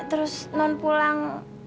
terus non pulang